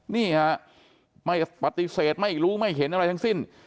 นี่ฮะไม่ปฏิเสธไม่รู้ไม่เห็นอะไรทั้งสิ้น